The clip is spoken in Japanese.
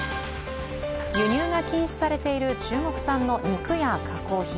輸入が禁止されている中国産の肉や加工品。